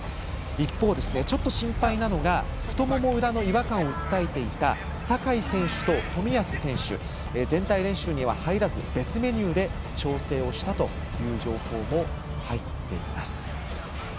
一方、ちょっと心配なのが太もも裏の違和感を訴えていた酒井選手と冨安選手が全体練習に入らず別メニューで調整をしたという情報も入っています。